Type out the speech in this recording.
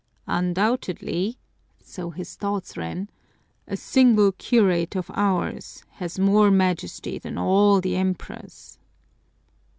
"Undoubtedly," so his thoughts ran, "a single curate of ours has more majesty than all the emperors."